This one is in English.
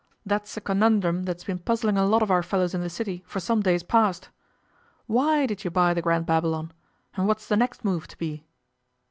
That's a conundrum that's been puzzling a lot of our fellows in the City for some days past. Why did you buy the Grand Babylon? And what is the next move to be?